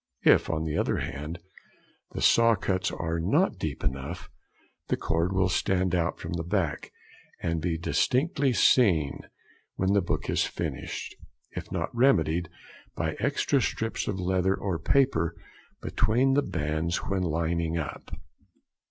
If, on the other hand, the saw cuts are |23| not deep enough, the cord will stand out from the back, and be distinctly seen when the book is finished, if not remedied by extra strips of leather or paper between the bands when lining up.